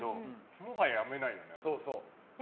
もうやめないよね。